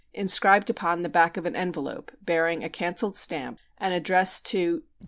2) inscribed upon the back of an envelope bearing a cancelled stamp and addressed to Geo.